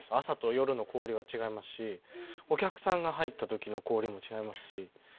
朝と夜の氷は違いますしお客さんが入った時の氷も違いますし。